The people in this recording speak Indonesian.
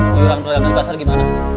cari angkot yang lain di pasar gimana